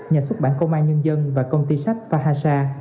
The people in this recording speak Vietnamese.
nhà xuất bản công an nhân dân và công ty sách paha